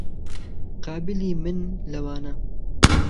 قابیلی من لەوانه